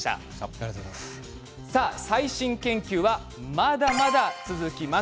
最新研究はまだまだあります。